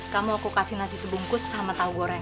kamu aku kasih nasi sebungkus sama tahu goreng